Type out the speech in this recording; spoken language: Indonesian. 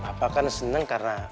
papa kan seneng karena